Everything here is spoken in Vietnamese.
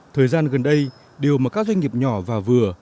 thời gian gần đây điều mà các doanh nghiệp nhỏ và vừa